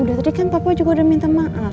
udah tadi kan papa juga udah minta maaf